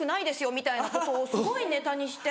みたいなことをすごいネタにして。